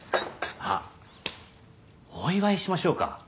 あっお祝いしましょうか。